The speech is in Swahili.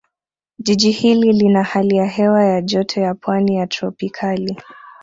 Jiji hili lina hali ya hewa ya Joto ya Pwani ya Tropicali